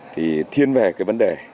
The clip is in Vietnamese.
thì thiên về cái vấn đề